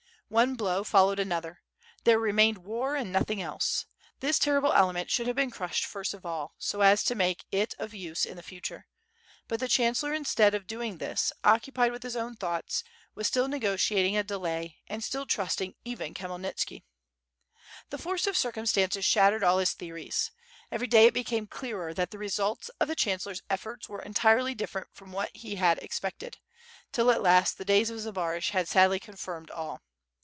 One blow followed another — there remained war and nothing else. The terrible element should have been crushed first of all, so as to make it of U3e in the future; but the chancellor, instead of doing this, occupied with his own thoughts, was still negotiating a delay and still trusting even Khmyelnitski. The force of circumstances shattered all his theories. Every day it became clearer that the results of the chan cellor's efforts were entirely different from what he had ex pected, till at last the days of Zbaraj had sadly confirmed all.